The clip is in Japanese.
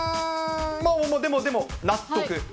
まあ、でもでも納得。